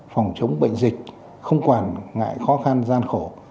phòng chống bệnh dịch không quản ngại khó khăn gian khổ